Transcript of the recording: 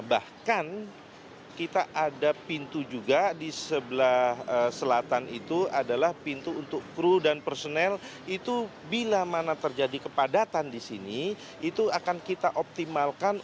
bahkan kita ada pintu juga di sebelah selatan itu adalah pintu untuk kru dan personel itu bila mana terjadi kepadatan di sini itu akan kita optimalkan